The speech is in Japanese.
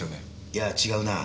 いや違うな。